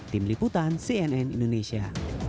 tim liputan cnn indonesia